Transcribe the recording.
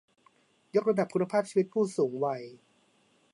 ยกระดับคุณภาพชีวิตผู้สูงวัย